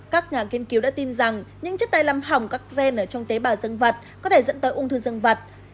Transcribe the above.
các nhà kiên cứu đã tin rằng những chất tay lăm hỏng các ven ở trong tế bào dương vật có thể dẫn tới ung thư dương vật